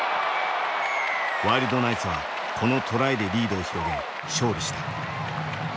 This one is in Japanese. ワイルドナイツはこのトライでリードを広げ勝利した。